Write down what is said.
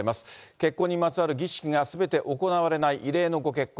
結婚にまつわる儀式がすべて行われない異例のご結婚。